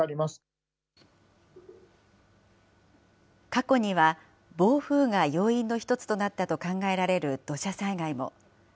過去には、暴風が要因の一つとなったと考えられる土砂災害も。